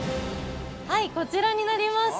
◆こちらになります。